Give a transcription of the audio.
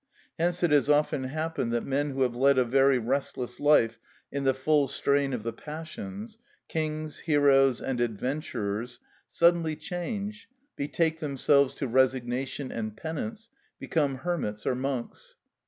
Hence it has often happened that men who have led a very restless life in the full strain of the passions, kings, heroes, and adventurers, suddenly change, betake themselves to resignation and penance, become hermits or monks.